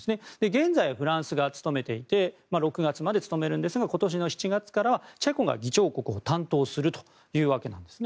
現在、フランスが務めていて６月まで務めるんですが今年の７月からはチェコが議長国を担当するというわけです。